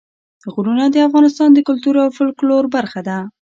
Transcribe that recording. غرونه د افغانستان د کلتور او فولکلور برخه ده.